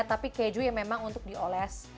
tapi keju yang memang untuk dioles